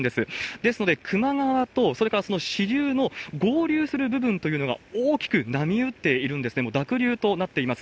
ですので、球磨川と、それからその支流の合流する部分というのが大きく波打っているんですね、もう濁流となっています。